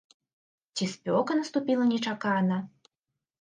Ці спёка наступіла нечакана?